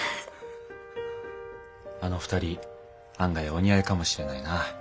あの２人案外お似合いかもしれないな。